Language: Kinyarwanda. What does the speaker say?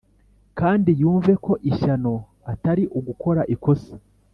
kandi yumve ko ishyano atari ugukora ikosa,